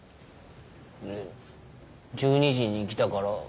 え１２時に来たから。